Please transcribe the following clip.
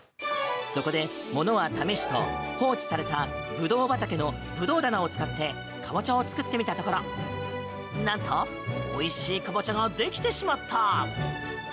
そこで、ものは試しと放置されたブドウ畑のブドウ棚を使ってカボチャを作ってみたところなんとおいしいカボチャができてしまった。